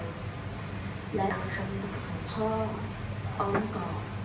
และเอาคำสั่งของพ่อ